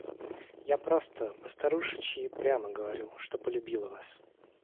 Я просто, по-старушечьи, прямо говорю, что полюбила вас.